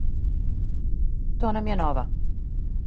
То нам је нова.